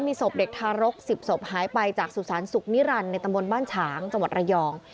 มีศพเด็กทารก๑๐ศพหายไปจากสุสานสุขนิรันดิ์ในตำบลบ้านฉางจังหวัดระยอง